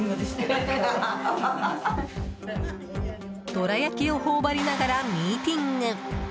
どら焼きを頬張りながらミーティング。